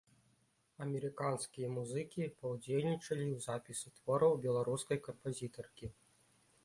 Амерыканскія музыкі паўдзельнічалі ў запісе твораў беларускай кампазітаркі.